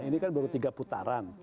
ini kan baru tiga putaran